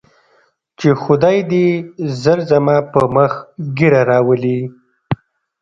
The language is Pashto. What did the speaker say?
چې خداى دې ژر زما پر مخ ږيره راولي.